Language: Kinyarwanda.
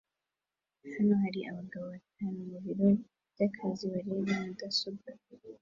Hano hari abagabo batanu mubiro byakazi bareba mudasobwa